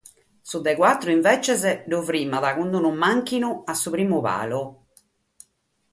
Su de bator, imbetzes, lu firmat cun unu mànchinu a su primu palu.